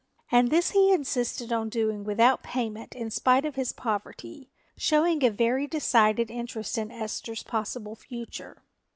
And this he insisted on doing without payment in spite of his poverty, showing a very decided interest in Esther's possible future.